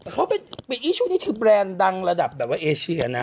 เขาเป็นปีอี้ช่วงนี้คือแบรนด์ดังระดับแบบว่าเอเชียนะ